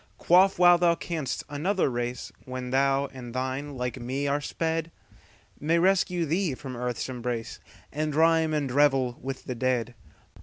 Quaff while thou canst; another race, When thou and thine like me are sped, May rescue thee from earth's embrace, And rhyme and revel with the dead.